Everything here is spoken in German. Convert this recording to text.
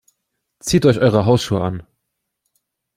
Zieht euch eure Hausschuhe an.